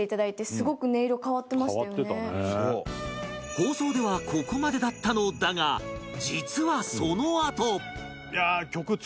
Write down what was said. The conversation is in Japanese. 放送ではここまでだったのだが実はそのあと